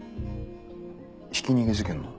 ひき逃げ事件の？